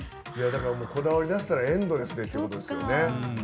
だからこだわりだしたらエンドレスでってことですよね。